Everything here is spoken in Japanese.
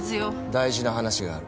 大事な話がある。